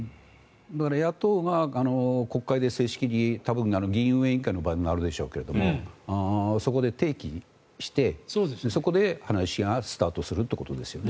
野党が国会で正式に多分、議院運営委員会の場になるでしょうけどそこで提起してそこで話がスタートするということですね。